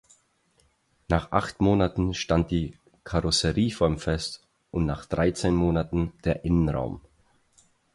Nach acht Monaten stand die Karosserieform fest und nach dreizehn Monaten der Innenraum.